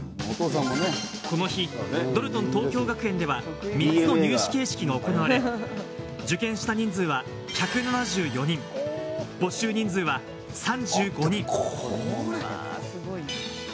この日、ドルトン東京学園では３つの形式で行われ、受験した人数は１７４人、募集した人数は３５人。